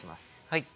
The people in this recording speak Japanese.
はい。